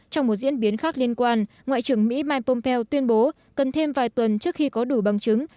trong một diễn biến khác liên quan ngoại trưởng mỹ mike pompeo tuyên bố cần thêm vài tuần trước khi có đủ bằng chứng